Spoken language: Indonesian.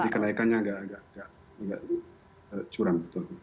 jadi kenaikannya agak curam